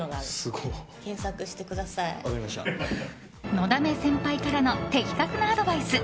のだめ先輩からの的確なアドバイス。